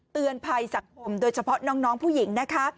เตือนภัยสังคมโดยเฉพาะน้องผู้หญิงนะคะ